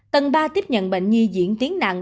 tầng ba tiếp nhận bệnh nhi diễn tiến nặng